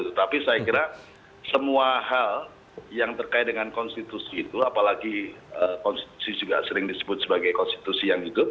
tetapi saya kira semua hal yang terkait dengan konstitusi itu apalagi konstitusi juga sering disebut sebagai konstitusi yang hidup